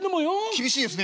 「厳しいですね」。